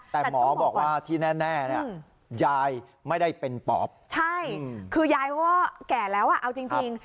แต่หมอบอกว่าที่แน่เนี่ยยายไม่ได้เป็นปอบใช่คือยายเขาก็แก่แล้วอ่ะเอาจริง